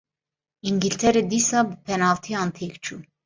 Îngiltere dîsa bi penaltiyan têk çû.